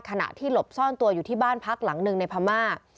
ขณะที่หลบซ่อนตัวอยู่ที่บ้านพักหลังหนึ่งในพม่า